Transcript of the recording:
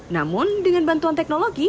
namun dengan bantuan teknologi